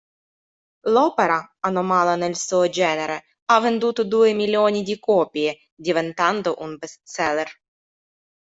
L'opera, anomala nel suo genere, ha venduto due milioni di copie, diventando un bestseller.